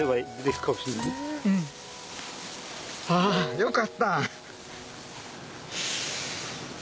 あよかった。